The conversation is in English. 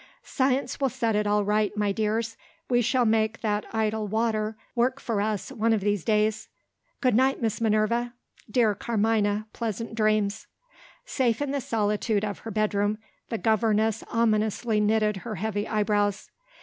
"Science will set it all right, my dears; we shall make that idle water work for us, one of these days. Good night, Miss Minerva! Dear Carmina, pleasant dreams!" Safe in the solitude of her bedroom, the governess ominously knitted her heavy eyebrows.